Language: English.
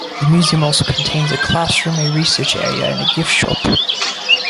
The Museum also contains a classroom, a research area, and a gift shop.